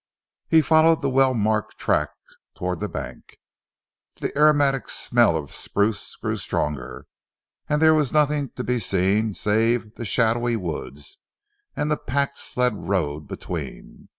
He followed the well marked track towards the bank. The aromatic smell of the spruce grew stronger, but there was nothing to be seen save the shadowy woods, and the packed sled road between.